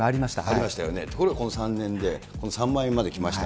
ありましたよね、ところがこの３年で３万円まで来ました。